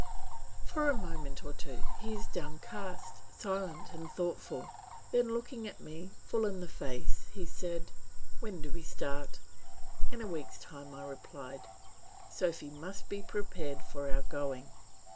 For a moment or two he was downcast, silent, and thoughtful, then looking me full in the face he said, "When do we start?" "In a week's time," I replied; "Sophy must be prepared for our going.